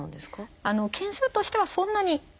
件数としてはそんなに多くは。